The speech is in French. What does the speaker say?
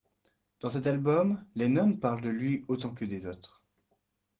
Dans cet album, Lennon parle de lui autant que des autres.